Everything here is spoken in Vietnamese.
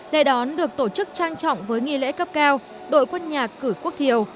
để đón được tổ chức trang trọng với nghị lễ cấp cao đội quân nhạc cử quốc thiểu